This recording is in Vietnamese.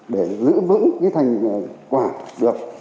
để giữ vững cái thành quả được